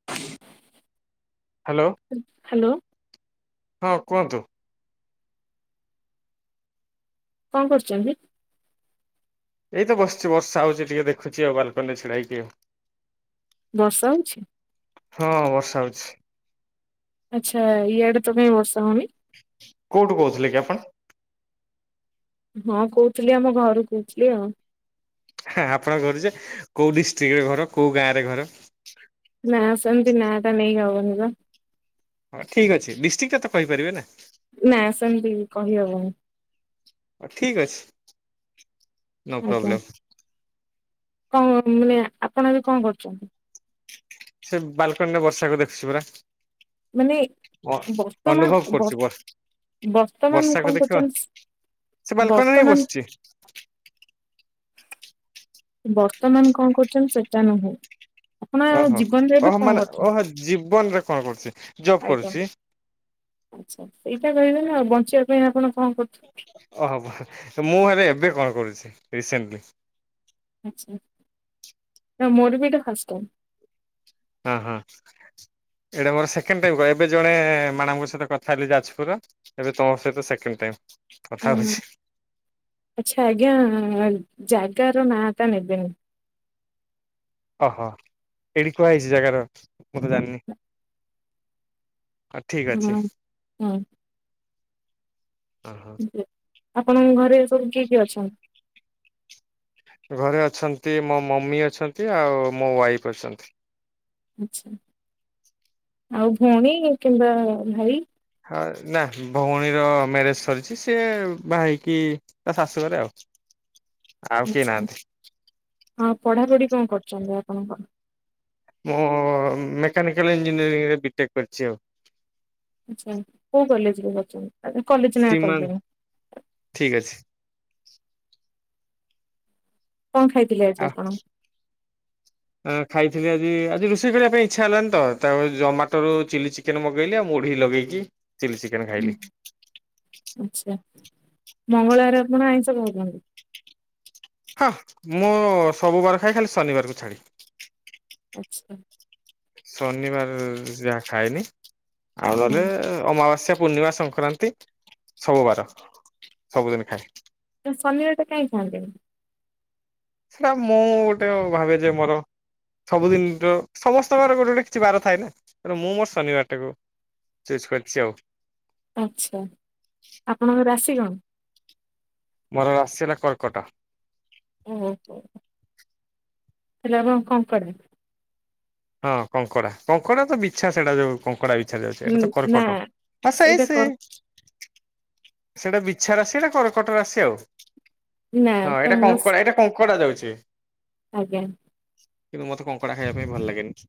[unintelligible] Hello, hello ହଁ କୁହନ୍ତୁ? କଣ କରୁଚନ୍ତି? ଏଇ ତ ବସିଚି ବର୍ଷା ହଉଚି ଟିକେ ଦେଖୁଚି ଆଉ ବାଲକୁନିରେ ଛିଡା ହେକି ଆଉ। ବର୍ଷା ହଉଚି। ହଁ ବର୍ଷା ହୋଉଚି। ଆଚ୍ଛା ଇଆଡ଼େ ତ କାଇଁ ବର୍ଷା ହୋଉନି। କୋଉଠୁ କହୁଥିଲେ କି ଆପଣ? ହଁ କହୁଥିଲି ଆମ ଘରୁ କହୁଥିଲି ଆଉ। ହଁ ଆପଣଙ୍କ ଘରୁ ଯେ କୋଉ ଡିଷ୍ଟ୍ରିକ୍ଟ ରେ ଘର, କୋଉ ଗାଁ ରେ ଘର? ନା ସେମିତି ନା ଟା ନେଇକି ହବନି ପା। ହଁ ଠିକ୍ ଅଛି ଡିଷ୍ଟ୍ରିକଟା ତ କହିପାରିବେ ନା? ନା ସେମିତି କହିହବନ। ଠିକ ଅଛି। ନୋ ଆଜ୍ଞା। ପ୍ରୋବ୍ଲେମ୍। କଣ ମାନେ ଆପଣ ଏବେ କଣ କରୁଚନ୍ତି? ସେ ବାଲକୁନି ରେ ବର୍ଷାକୁ ଦେଖୁଚି ପରା। ମାନେ ଅ ଅନୁଭବ କରୁଚି। ବର୍ ବର୍ତ୍ତମାନ କଣ ବର୍ଷାକୁ ଦେଖିବ। କରୁଛନ୍ତି? ସେ ବାଲକୁନି ରେ ହିଁ ବର୍ତ୍ତମାନ ବସଚି। ବର୍ତ୍ତମାନ କଣ କରୁଚନ୍ତି ସେଟା ନୁହେଁ। ଆପଣ ଜୀବନରେ ଏବେ କଣ କରୁଚନ୍ତି। ଜୀବନ ରେ କଣ କରୁଚି? ଜବ୍ କରୁଚି। ଆଚ୍ଛା ସେଇଟା କହିବେ ନା ଆଉ ବଞ୍ଚିଆ ପାଇଁ ଆପଣ କଣ କରୁଚ ଓହୋ ମୁଁ ହେରେ ଏବେ କଣ କରୁଚି ରିସେଣ୍ଟଲି। ଆଚ୍ଛା। ନା ମୋରିବି ଏଟା ଫାଷ୍ଟ ଟାମ୍। ହଁ ହଁ। ଏଇଟା ମୋର ସେକେଣ୍ଡ ଟାଇମ କହ ଏବେ ଜଣେ ମାଡାମ ମାନଙ୍କ ସହିତ କଥା ହେଲି ଯାଜପୁର। ଏବେ ତମ ସହିତି ସେକେଣ୍ଡ ଟାଇମ୍। ହୁଁ ଆଚ୍ଛା ଆଜ୍ଞା ଜାଗାର ନାଁ ଟା ନେବେନି। ଓହୋ ଏଇଟି କୁହା ହେଇଚି ଜାଗାର ମୁଁ ତ ଜାଣିନି। ଆ ଠିକ ଅଛି। ହଁ ହଁ ଓହୋ ଓ--ଆପଣଙ୍କ ଘରେ ସବୁ କିଏ କିଏ ଅଛନ୍ତି? ଘରେ ଅଛନ୍ତି ମୋ ମମି ଅଛନ୍ତି ଆଉ ମୋ ୱାଇଫ୍ ଅଛନ୍ତି। ଆଚ୍ଛା। ଆଉ ଭଉଣୀ କିମ୍ବା ଭାଇ? ହଁ ନା ଭଉଣୀର ମ୍ୟାରେଜ ସରିଚି ସିଏ ବାହା ହେଇକି ତା ଶାଶୁଘରେ ଆଉ। ଆଉ କେହି ଆଚ୍ଛା। ନାହାନ୍ତି ହଁ ପଢ଼ାପଢ଼ି କଣ କରୁଚନ୍ତି ଆପଣ କଣ? ମୁଁ ମେକାନିକାଲ ଇଞ୍ଜିନିୟରିଂରେ ବିଟେକ୍ କରିଚି ଆଉ। ଆଚ୍ଛା କୋଉଁ କଲେଜରେ କରଚନ୍ତି? ସିମାନ୍ ଠିକ ଅଛି। କଣ ଖାଇଥିଲେ ଆଜି ଆପଣ? ଅଁ ଖାଇଥିଲି ଆଜି ଆଜି ରୋଷେଇ କରିଆ ପାଇଁ ଇଚ୍ଛା ହେଲାନି ତ ତା ଜମାଟୋରୁ ଚିଲି ଚିକେ ସେନୁ ମଗେଇଲି ଆଉ ମୁଢ଼ି ଲଗେଇକି ଚିଲି ଚି ହୁଁ ଆଚ୍ଛା ମଙ୍ଗଳବାରେ ଆପଣ ଆଇଁଷ ଖାଉଚନ୍ତି। ହଁ ମୁଁ ସବୁ ବାର ଖାଏ ଖାଲି ଶନିବାରକୁ ଛାଡିକି। ଆଚ୍ଛା। ଶନିବାର ଯାହା ଖାଏନି। ଆଉ ହୁଁ ନେହେଲେ ଅମାବାସ୍ୟା, ପୂର୍ଣ୍ଣିମା ସଂ କ୍ରାନ୍ତି ସବୁ ବାର, ସବୁଦିନ ଖାଏ। ତେଣୁ ଶନିବାରଟା କାଇଁ ଖାଆନ୍ତିନି। ସେଟା ମୁଁ ଗୋଟେ ଭାବିଚି ମୋର ସବୁଦିନି ତ ସମସ୍ତଙ୍କର ଗୋଟେଗୋଟେ କିଛି ବାର ଥାଏ ନା ତେଣୁ ମୁଁ ମୋର ଶନିବାରଟାକୁ ଚୁସ୍ କରିଚି ଆଉ। ଆଚ୍ଛା ଆପଣଙ୍କର ରାଶି କଣ? ମୋର ରାଶି ହେଲା କର୍କଟ। ଓହୋ ହେଲେ ଆପଣ କଣ କରିବେ ହଁ କଙ୍କଡ଼ା କଙ୍କଡ଼ା ତ ବିଛା ସେଇଟା ଯୋଉ କଙ୍କଡ଼ା ବି ଛାଡ ଛାଡ ସେଇ ଟା ତ ନା କର୍କଟ ହଁ ସେଇ ସେଇଟା କର ସେଇ। ସେଟା ବିଛା ରାଶି ନାଁ କର୍କଟ ରାଶି ଆଉ। ନା ହଁ ଏଇଟା ତାଙ୍କସ୍ କଙ୍କଡ଼ା ଏଇଟା କଙ୍କଡ଼ା ଯାଉଚି। ଆଜ୍ଞା। କିନ୍ତୁ ମତେ କଙ୍କଡ଼ା ଖାଇବା ପାଇଁ ଭଲ ଲାଗେନି।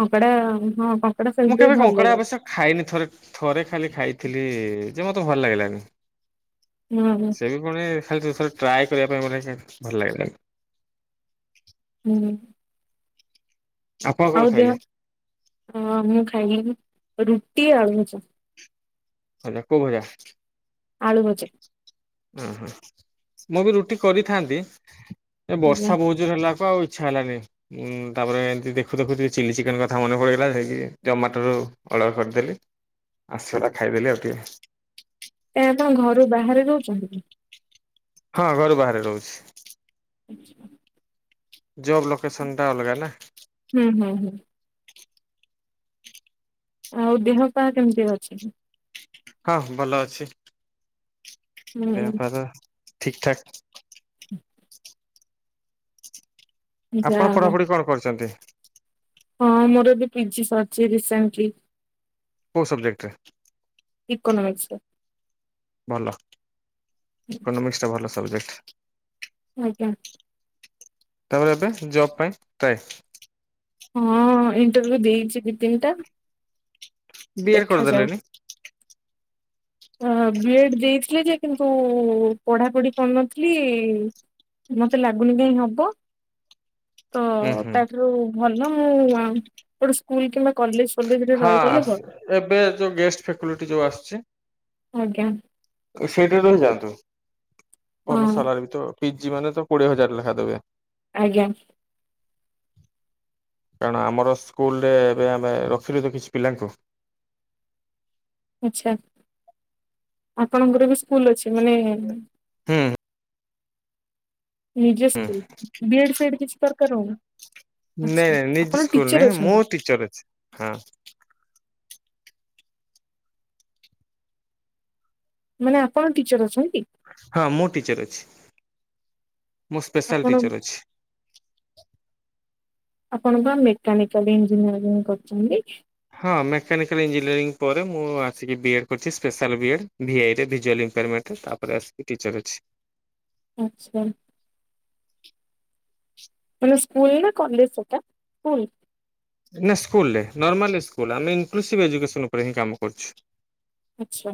କଙ୍କଡ଼ା ହଁପା। ମୁଁ କେବେ କଙ୍କଡ଼ା ଅବଶ୍ୟ ଖାଇନି ଥରେ ଥରେ ଖାଲି ଖାଇଥିଲି ଯେ ମତେ ଭଲ ଲାଗିଲାନି। ହୁଁ ହୁଁ। ସେ ବି ଫୁଣି ଖାଲି ତ ଥରେ ଟ୍ରାଏ କରିବା ପାଇଁ ଭଲ ଲାଗିଲାନି। ହୁଁ। ଆପଣ କଣ ଆଉ ଦେହ ଖାଇଲେ? ହଁ ମୁଁ ଖାଇଲି ରୁଟି ଆଳୁଭଜା। ହେଟା କୋଉ ଭଜା? ଆଳୁ ଭଜା। ହୁଁ ହୁଁ ମୁଁ ବି ରୁଟି କରିଥାନ୍ତି ଏ ଆଜ୍ଞା। ବର୍ଷା ବୋହୁତ ଜୋର ହେଲା କୁ ଆଉ ଇଛା ହେଲାନି। ହୁଁ ତା ପରେ ଏମିତି ଦେଖୁଦେଖୁ ଚିଲି ଚିକେନ୍ କଥା ମନେ ପଡ଼ିଗଲା ସେଇକି ଜମାଟରୁ ଅର୍ଡ଼ର କରିଦେଲି। ଆଶେଇରା ଖାଇ ଦେଲି ଆଉ ଟିକେ। ଆପଣ ଘରୁ ବାହାରେ ରୋହୁଚନ୍ତି କି? ହଁ ଘରୁ ବାହାରେ ରହୁଚି। [unintelligible] ଜବ୍ ଲୋକେସନ୍ ଟା ଅଲଗା ନା। ହୁଁ ହୁଁ ହୁଁ। ଆଉ ଦେହ ପାହା କେମିତି ଅଛି? ହଁ ଭଲ ଅଛି। ଦେହ ହୁଁ ପୁରା ଠିକ୍ ଠାକ୍। ଆପଣ ଯାହା ହଉ ପଢ଼ାପଢ଼ି କଣ କରିଚନ୍ତି? ହଁ ମୋର ଏବେ ପିଜି ସରିଚି ରିସେଣ୍ଟଲି। କୋଉ ସବଜେକ୍ଟ ରେ? ଇକୋନମିକ୍ସ ରେ। ଭଲ ଇକୋନୋମିକ୍ସ ଟା ଭଲ ସବଜେକ୍ଟ। ଆଜ୍ଞା। ତା ପରେ ଏବେ ଜବ୍ ପାଇଁ ଟ୍ରାଏ। ହଁ ଇଣ୍ଟରଭିୟୁ ଦେଇଚି ଦି ତିନିଟା ବି ଏଡ୍ ଦେଖାଯାଉ। କରିଦେଲେନି ହଁ ହଁ ଗ୍ରେଡ୍ ଦେଇଥିଲି ଯେ କିନ୍ତୁ ପଢ଼ାପଢି କରିନଥିଲି ମତେ ଲାଗୁନି କାଇଁ ହବ ତ ହୁଁ ହୁଁ ତା ଠାରୁ ଭଲ ଆଉ ଗୋଟେ ସ୍କୁଲ କିମ୍ବା କଲେଜ ଫଲେଜରେ ହଁ ରହିଗଲେ ଭଲ। ଏବେ ଯୋଉ ଗେଷ୍ଟ ଫେକୁଲିଟି ଯୋଉ ଆସୁଛି। ଆଜ୍ଞା। ସେଇଠାରେ ରହିଯାଆନ୍ତୁ ଭଲ ହଁ ସାଲାରି ବି ତ। ପିଜି ମାନେ ତ କୋଡିଏ ହଜାର ଲେଖାଦେବେ। ଆଜ୍ଞା। କାରଣ ଆମର ସ୍କୁଲରେ ଏବେ ଆମେ ରଖିଲୁ ତ କିଛି ପିଲାଙ୍କୁ। ଆଚ୍ଛା ଆପଣଙ୍କର ବି ସ୍କୁଲ ଅଛି ମାନେ। ହୁଁ। ନିଜ ସ୍କୁଲ ବିଏଡ୍ ଫିଡ଼୍ କିଛି ଦରକାର ହେଉନି। ନାଇଁ ନାଇଁ [unintelligible] ସ୍କୁଲ ନାଇଁ ମୁଁ ଅଛନ୍ତି ଟିଚର ଅଛି ହଁ। ମାନେ ଆପଣ ଟିଚର ଅଛନ୍ତି କି? ହଁ ମୁଁ ଟିଚର ଅଛି। ମୁଁ ସ୍ପେଶାଲ ଆପଣ ଟିଚର ଅଛି। ଆପଣ ପା ମେକାନିକାଲ ଇଞ୍ଜିନିୟରିଂ କରିଛନ୍ତି। ହଁ ମେକାନିକାଲ [unintelligible] [unintelligible] ଆଚ୍ଛା। ମାନେ ସ୍କୁଲ ନା କଲେଜ ସେଟା ସ୍କୁଲ। ନା ସ୍କୁଲରେ ନର୍ମାଲ ସ୍କୁଲରେ ଆମେ ଇନକ୍ଲୁଭ୍ ଏଜୁକେସନ ଉପରେ ହିଁ କାମ କରଛୁ। ଆଚ୍ଛା।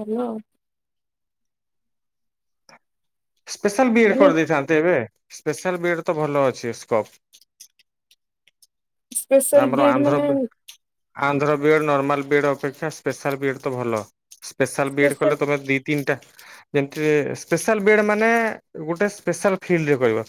ହ୍ୟାଲୋ। ସ୍ପେଶାଲ ମାନେ [unintelligible] [unintelligible] ସ୍ପେଶାଲ ବିଏଡ୍ ମାନେ ସ୍ପେଶାଲ ବିଡି କଲେ ତମ ଦି ତିନିଟା ଯେମତି ସ୍ପେଶାଲ ବେଡେମାନେ ଗୋଟେ ସ୍ପେଶାଲ ଫିଲ୍ଡରେ କହିବା।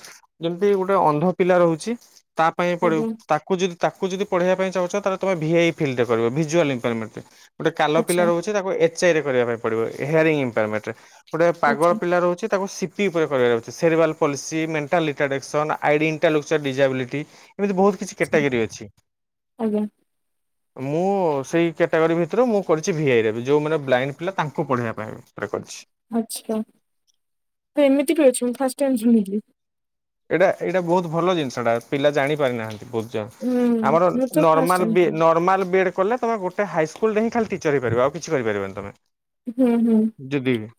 ଯେମିତି ଗୋଟେ ଅନ୍ଧ ପିଲା ରହୁଛି ତା ପାଇଁ ପଡିବ ଆଜ୍ଞା ତାକୁ ଯଦି ତାକୁ ଯଦି ପଢେଇିବା ପାଇଁ ଚାହୁଁଛ ତାହେ ତମ ଭିଆଇ ଫିଲ୍ ରେ କରିବ ଭିଜ୍ୱଆଲ ରେକ୍ୟୁର ମେଣ୍ଟଗୋଟେ କାଲ ପିଲା ଆଚ୍ଛା ରହୁଛି। ତାକୁ ଏଚଆଇରେ କରିବା ପାଇଁ ପଡିବ ହେୟାର ଇମ୍ପ୍ରମେଣ୍ଟ ଗୋଟେ ପାଗଳ ଆଚ୍ଛା ପିଲା ରହୁଛି ତାକୁ C [unintelligible] ସେରରିୱଲ୍ palsy mental detection ID intellectual disability. ଏମିତି ବହୁତ କିଛି ଆଚ୍ଛା କ୍ୟାଟାଗୋରୀ ଅଛି। ଆଜ୍ଞା ମୁଁ ସେଇ କ୍ୟାଟାଗୋରୀ ଭିତରୁ ମୁଁ କରିଛି ଭିଆଇରେ ବି ଯେଉଁମାନେ ବ୍ଲାଇଣ୍ଡ ପିଲା ତାଙ୍କୁ ପଢ଼େଇବା ପାଇଁ। [unintelligible] ଆଚ୍ଛା ତ ଏମିତି ବି ଅଛି ଫାଷ୍ଟ ଟାଇମ ଶୁଣିଲି। ଏଇଟା ଏଇଟା ବହୁତ ଭଲ ଜିନିଷଟା ପିଲା ଜାଣି ପାରିନାହାନ୍ତି। ହୁଁ ମୁଁ ତ ଫାଷ୍ଟ ଟାଇମ୍ ଶୁଣିଲି [unintelligible] କଲେ ତମେ ଗୋଟେ ହାଇସ୍କୁଲ ରେ ହିଁ ଖାଲି ଟିଚରହେଇପାରିବ ଆଉ କିଛି କରିପାରିବନି ତମେ। ହୁଁ ହୁଁ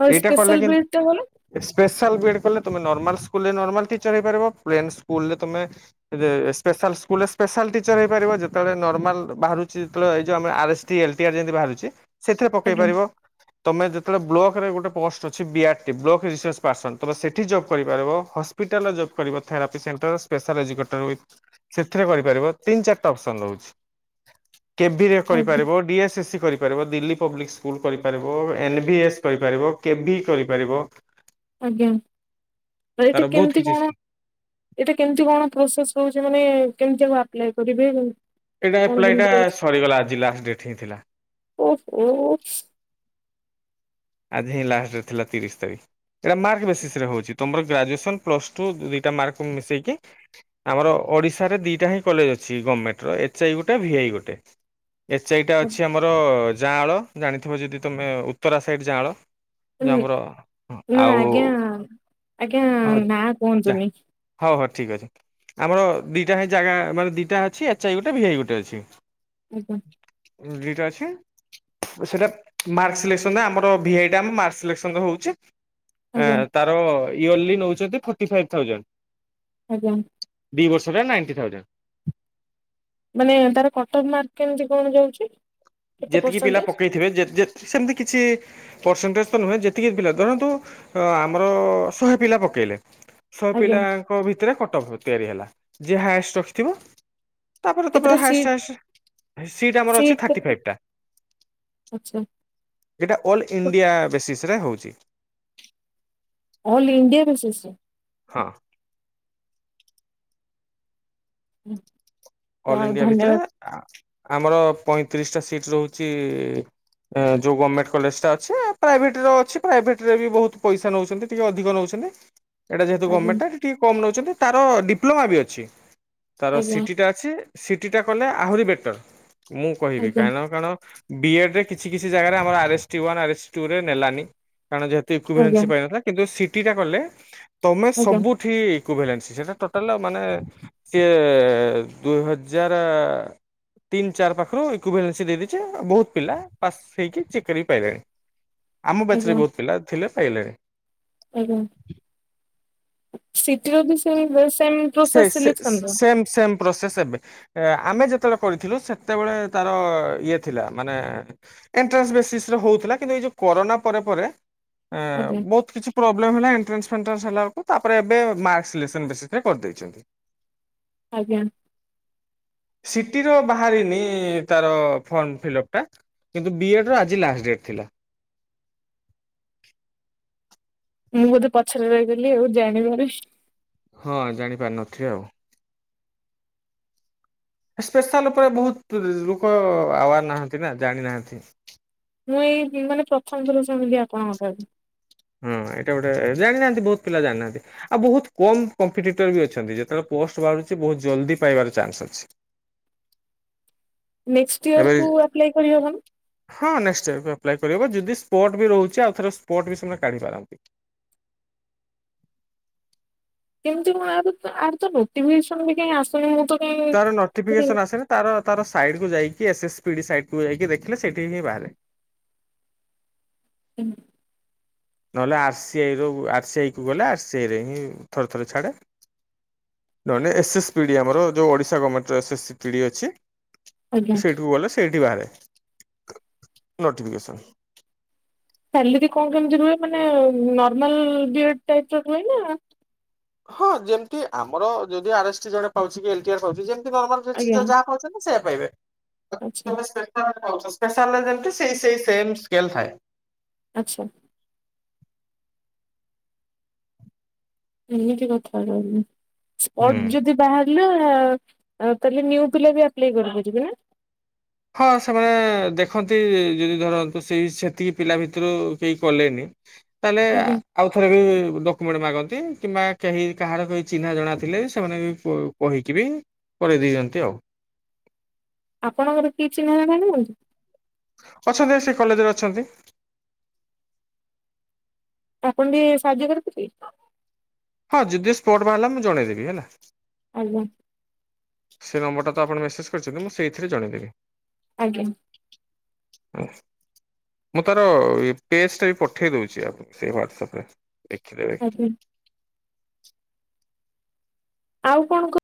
ଆଉ ସ୍ପେଶାଲ ବ୍ରେଡ୍ ଟା ଭଲ [unintelligible] ଷ୍ପେଆଲ୍ ବିଡି କଲେ ତମେ ନର୍ମାଲ ସ୍କୁଲରେ ନର୍ମାଲ ଟିଚର୍ ହେଇପାରିବ ପେଲନସ୍କୁଲରେ ତମେ ସ୍ପେଶାଲ୍ ସ୍କୁଲ ରେ ସ୍ପେସଆଲ ଟିଚର ହେଇପାରିବ ଯେତେବେଳେ ନର୍ମାଲ ବାହରୁଚିଯେତେବେଳେ [unintelligible] [unintelligible] ଯେମିତି ବାହାରୁଛି ସେଥିରେ ପକାଇ ଆଜ୍ଞା ପାରିବ। ତମେ ଯେତେବେଳେ ବ୍ଲକରେ ଗୋଟେ ପୋଷ୍ଟ ଅଛି। BR T block resource person ତମେ ସେଠି ଜବ୍ କରିପାରିବ। [unintelligible] ସେଥିରେ କରିପାରିବ ତିନି ଚାରିଟା ଅପସନ ରହୁଛି। ଆଜ୍ଞା [unintelligible] [unintelligible] ଆଜ୍ଞା ଆ ତାର ଏଠି ବହୁତ କେମିତି କିଛି କଣ। ଏଇଟା କେମିତି କଣ ପ୍ରୋସେସ୍ ରହୁଛି ମାନେ କେମିତିଆକୁ ଆପ୍ଲାଏ କରିବେ। ଏଇଟା କଣ ଆପ୍ଲାଏଟଟା କେମିତି ରହୁଛି? ସରିଗଲା ଆଜି ଲାଷ୍ଟ ଡେଟ୍ ହିଁ ଥିଲା। ଓହୋ। ଆଜି ହିଁ ଲାଷ୍ଟରେ ଥିଲା ତିରିଶ ତାରିଖ। ଏଇଟା ମାର୍କ ବେସିସି ରେ ହଉଛି ତମର ଗ୍ରାଜୁଏସନ ପ୍ଲସ ଟୁ ଦୁଇଟା ମାର୍କକୁ ମିଶେଇକି ଆମର ଓଡ଼ିଶାରେ ଦିଇଟା ହିଁ କଲେଜ ଅଛି! ଗମେଣ୍ଟ ର ଏଚ୍ ଆଇ ଗୋଟେ ଭିଆଇ ଗୋଟେ! ଏଚ୍ ଆଇଟା ଅଛି ଆମର ଯାଆଁଳ ଜାଣିଥିବ ଯଦି ତମେ ଉତ୍ତରା ସାଇଡ଼୍ ଯାଆଁଳ! ଯୋ ଆମର ଉଁ, ନା ଆଜ୍ଞା -ଆଉ ଆଜ୍ଞା ନା ଯା କୁହନ୍ତୁନି ହ--ହ ଠିକ୍ ଅଛି! ଆମର ଦିଟା ହିଁ ଜାଗା ମାନେ ଦିଇଟା ଅଛି! ଏଚେଆଇ ଗୋଟେ ଭିଆଇ ଗୋଟେ ଅଛି! ଆଇଟା ଦିଟାଅଛି! ସେଟା ମାର୍କଲିସ କଣ ନା ଆମର ଭିଆଇଟା ମାର୍କ ସିଲେକ୍ସନ ରେ ହଉଛି! ଆଜ୍ଞା ଏଁ ତାର ଇୟର୍ଲି ନଉଛନ୍ତି ଫୋର୍ଟି ଫାଇଭ୍ ଥାଉଜେଣ୍ଡ! ଆଜ୍ଞା ଦିଇ ବର୍ଷ ହେଲା ନାଇଁଟି ଥାଉଜେଣ୍ଡ! ମାନେ ତାର କଟନ ମାର୍କ କେମିତି କଣ ଯାଉଛି! କେତେ ଯେତିକି ପିଲା ପରସେଣ୍ଟେଜ ପକେଇଥିବେ ଜେ--ଜେତ ସେମିତି କିଛି ପରସେଣ୍ଟେଜ ତ ନୁହେଁ! ଯେତିକି ପିଲା ଧରନ୍ତୁ ଆମର ଶହେ ପିଲା ପକେଇଲେ! ଶହ ଆଜ୍ଞା ପିଲାଙ୍କ ଭିତରେ କଟଫ ତିଆରି ହେଲା! ଯେ ହାଏଷ୍ଟେ ରଖିଥିବ? ତାପରେ ତମେ କେତେଟା ହାଏଷ୍ଟେ ସିଟ୍ ହାଏଷ୍ଟେ ସିଟ୍ ଆମର ଅଛି ଥାଟି ଫାଇଭ୍! ଟା। ଆଛା ଏଇଟା ଅଲ୍ ଇଣ୍ଡିଆ ବେସିସି ରେ ହଉଚି! ଅଲ୍ ଇଣ୍ଡିଆ ରୁଶେଷେ ରେ ହଁ ହୁଁ ଅଲ୍ ଇଣ୍ଡିଆ ଭିତରେ ଆ----ଆମର ପଇଁତିରିଶି ଟା ସିଟ୍ ରହୁଚି! ଏଁ ଯୋଉ ଗମେଣ୍ଟେ କଲେଜଟା ଅଛି! ପ୍ରାଇଭେଟି ର ଅଛି ପ୍ରାଇଭେଟରେ ବି ବହୁତ ପଇସା ନେଉଚନ୍ତି! ଟିକେ ଅଧିକ ନେଉଚନ୍ତି! ଏଇଟା ଯେହେତୁ ଆଜ୍ଞା ଗମେଟା ଟିକେ କମ ନେଉଚନ୍ତି! ତାର ଡିପ୍ଲମା ବି ଅଛି! ତାର ଆଜ୍ଞା ସିଟିଟା ସିଟିଟା କଲେ ଆହୁରି ବେଟର! ମୁଁ କହିବି ଆଜ୍ଞା କାଣ କାଣ ଡ଼ିଏଫେ କିଛି କିଛି ଜାଗାରେ ଆମର ଆରେଷ୍ଟି ଔନ ଆରେଷ୍ଟି ଟୁରେ ନେଲାନି! କାରଣ ଯେହେତୁ ଇଙ୍କୁଭେଂଶ ଆଜ୍ଞା ପାଇବାକଥା! କିନ୍ତୁ ସିଟିଟା କଲେ ତମେ ଆଜ୍ଞା ସବୁ ଫିଇ କୋଭିଲାନ୍ସ ସେଇଟା ଟୋଟାଲ ମାନେ ସିଏ ଦୁଇହଜାର ତିନି ଚାର ପାଖରୁ ଇକୋଭାଲାନ୍ସି ଦେଇଦେଇଚି! ବହୁତ ପିଲା ପାସ୍ ସେଇଠି ଚେକ୍ କରିକି ପାଇବେ! ଆମ ବ୍ୟାଚ ରେ ବହୁତ ପିଲା ଥିଲେ ପାଇଗଲେଣି! ଆଜ୍ଞା----ସିଟିଓ ବେସରେ ବେ ସାଇନି ସେ ସେ ସେମ୍ ସେମ୍ ପ୍ରୋସେସ୍ଏବେ ଆମେ ଯେତେବେଳେ କରିଥିଲୁ ସେତେବେଳେ ତାର ଇଏ ଥିଲା! ମାନେ ଏଣ୍ଟେନ୍ସ ବେସିସି ରେ ହଉଥିଲା! କିନ୍ତୁ ଏଇ ଯଉ କରୋନା ପରେ ପରେ ଏଁ ଆଜ୍ଞା ବହୁତ କିଛି ପ୍ରୋବ୍ଲେମ୍ ହେଲା ଏଣ୍ଟାନ୍ସ ଫେଣ୍ଟାନ୍ସ ହେଲା ବେଳକୁ ତାପରେ ଏବେ ମାର୍କ ସିଲେସନ ବେଶୀ! ରେ କରି ଦେଇଚନ୍ତି! ଆଜ୍ଞା ସିଟି ର ବାହାରିନି ତାର ଫର୍ମ ଫିଲ୍ଅପ ଟା କିନ୍ତୁ ବିଏଡ ର ଆଜି ଲାଷ୍ଟ ଡେଟ୍ ଥିଲା! ମୁଁ ବୋଧେ ପଛରେ ରହିଗଲି ଆଉ ଜାଣିବାରେ। ହଁ ଜାଣିପାରିନଥିବେ ଆଉ। ସ୍ପେଶାଲ ଉପରେ ବହୁତ ତ ଲୋକ ଆୱାର ନାହାନ୍ତି ନା ଜାଣି ନାହାନ୍ତି। ମୁଁ ଏଇ ମାନେ ପ୍ରଥମଥର ଶୁଣିଲି ଆପଣଙ୍କଠାରୁ। ହଁ ଏଇଟା ଗୋଟେ ଜାଣିନାହାନ୍ତି ବହୁତ ପିଲା ଜାଣିନାହାନ୍ତି। ଆଉ ବହୁତ କମ କମ୍ପିଡେଟର ବି ଅଛନ୍ତି। ଯେତେବେଳେ ପୋଷ୍ଟ ବାହାରୁଛି ବହୁତ ଜଲଦି ପାଇବାର ଚାନ୍ସ ଅଛି। ନେକ୍ସଟେ ଇୟର ଏବେ କୁ ଆପ୍ଲାଏ କରିହବନି? ହଁ ନେକ୍ସଟ ଇୟରକୁ ଆପ୍ଲାଇ କରିହବ। ଯଦି ସ୍ପଟ ବି ରହୁଛି ଆଉ ଥରେ ସ୍ପଟ ବି ସେମାନେ କାଢିପାରନ୍ତି। କେମିତି ମୁଁ ଆ ଆର ତ ନୋଟିଫିକେସନ ବି କାଇଁ ଆସୁନି ମୁଁ ତ କାଇଁ ତାର ନୋଟିଫିକେସନ ଆସିଲେ ତାର ତାର ସାଇଟ୍ କୁ ଯାଇକି ଏ ଏସ୍ ପିଡି ସାଇ କୁ ଯାଇକି ଦେଖିଲେ ସେଇଠି ହିଁ ବାହାରେ। ହୁଁ। ନହେଲେ ଆର ସି ଆଇ ର ଆର ସି ଆଇ କୁ ଗଲେ ଆର ସିି ଆଇ ରେ ହିଁ ଥରେ ଥରେ ଛାଡ଼େ। ନହେନେ ଏସ୍ ଏସ ପିଡ଼ି ଆମର ଯେଉଁ ଓଡିଶା ଗର୍ଣ୍ଣମେଣ୍ଟର ଏସ୍ ଏସ୍ ପିଡ୍ ଅଛି। ଆଜ୍ଞା ସେଇଠିକୁ ଗଲେ ସେଇଠି ବାହାରେ ନୋଟିଫିକେସନ। ସାଲେରି କଣ କେମିତି ରୁହେ ମାନେ ନର୍ମାଲ ବି ଏଡ୍ ଟାଇପର ରୁହେ ନା ହଁ ଯେମିତି ଆମର ଯଦି ଆର ଏସ୍ ଟି ଜଣେ ପାଉଛି ଏଲ ଟି ଆର ପାଉ ଛି ଯେ ନର୍ମାଲ ଆଜ୍ଞା ଟିଚର ଯାହା ପାଉଛନ୍ତି ସେଇଆ ପାଇବେ। ଆଚ୍ଛା [inaudible] ଯେମତୀ ସେଇ ସେଇ ସେମ ସ୍କେଲ ଥାଏ। ଆଚ୍ଛା। ଏମିତି କଥା ତାହାଲେ। ହୁଁ। ଅର୍ ଯଦି ବାହାରିଲା ତାହେଲେ ନିଉ ପିଲା ବି ଆପ୍ଲାଏ କରିପାରିବି ନା? ହଁ ସେମାନେ ଦେଖନ୍ତି ଯଦି ଧରନ୍ତୁ ସେ ସେତିକି ପିଲା ଭିତରୁ କେହି କଲେନି ତାହେଲେ ଆଜ୍ଞା ଆଉ ଥରେ ବି ଡକ୍ୟୁମେଣ୍ଟ ମାଗନ୍ତି କିମ୍ବା କେହି କାହାର କେହି ଚିହ୍ନା ଜଣା ଥିଲେ ସେମାନେ ବି କହିକି ବି କରେଇ ଦେଇଛନ୍ତି ଆଉ। ଆପଣଙ୍କର କିଛି ନ [unintelligible] ଅଛନ୍ତି ସେ କଲେଜରେ ଅଛନ୍ତି। ଆପଣ ଟିକେ ସାହାଯ୍ୟ କରିପାରିବେ। ହଁ ଯଦି ସ୍ପୋର୍ଟ ବାହାରିଲା ମୁଁ ଜଣେଇଦେବି ହେଲା। ଆଜ୍ଞା। ସେ ନମ୍ବରଟା ତ ଆପଣ ମେସେଜ କରିଛନ୍ତି ମୁଁ ସେଇଥିରେ ଜଣେଇଦେବି। ଆଜ୍ଞା। ହ। ମୁଁ ତାର ପେଜଟା ବି ପଠେଇ ଦଉଛି ଆପଣ ସେ ୱାଟ୍ସଆପରେ ଦେଖିଦେବେ। ଆଜ୍ଞା ଆଉ କଣ କ